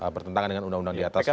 bertentangan dengan undang undang diatas